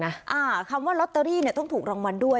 อ่าคำว่าลอตเตอรี่เนี่ยต้องถูกรางวัลด้วย